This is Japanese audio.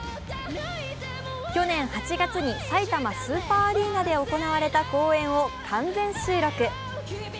去年８月にさいたまスーパーアリーナで行われた公演を完全収録。